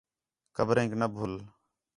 قبریک نہ بُھل